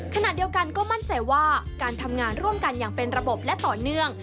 ขณะเดียวกันก็มั่นใจว่าการทำงานร่วมกันอย่างเป็นระบบและต่อเนื่อง